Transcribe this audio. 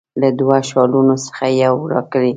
له دوه شالونو څخه یو راکړي.